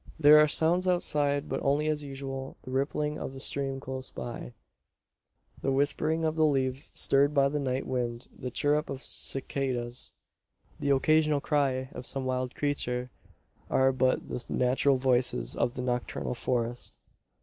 There are sounds outside; but only as usual. The rippling of the stream close by, the whispering of the leaves stirred by the night wind, the chirrup of cicadas, the occasional cry of some wild creature, are but the natural voices of the nocturnal forest.